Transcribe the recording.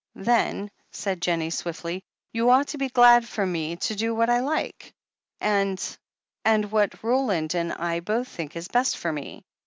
"Then," said Jennie swiftly, "you ought to be glad for me to do what I like, and — ^and what Roland and I both think is best for me.